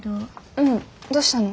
うんどうしたの？